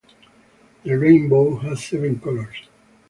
The rainbow has seven colors.